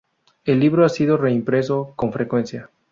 El libro ha sido reimpreso con frecuencia.